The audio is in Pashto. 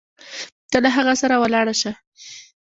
ته له هغه سره ولاړه شه.